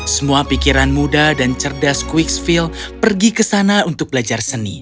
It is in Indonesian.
semua pikiran muda dan cerdas quicksfield pergi ke sana untuk belajar seni